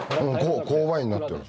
勾配になってる。